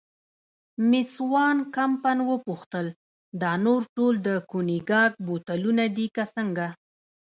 مېس وان کمپن وپوښتل: دا نور ټول د کونیګاک بوتلونه دي که څنګه؟